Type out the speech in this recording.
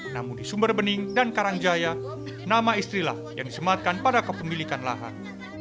namun di sumber bening dan karangjaya nama istrilah yang disematkan pada kepemilikan lahan